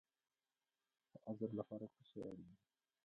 د اجر لپاره څه شی اړین دی؟